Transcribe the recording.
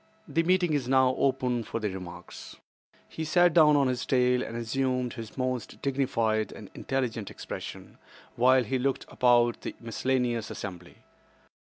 The meeting is now open for remarks." He sat down on his tail and assumed his most dignified and intelligent expression, while he looked about the miscellaneous assembly.